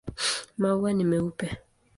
Maua ni meupe.